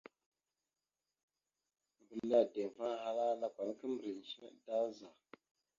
Mbile anga ideŋfaŋa, ahala: « Nakw ana kimbrec naɗ da za? ».